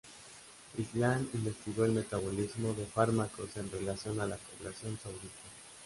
Islam investigó el metabolismo de fármacos en relación a la población saudita.